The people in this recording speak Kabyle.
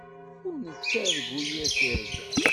Ur nettargu yir tirga.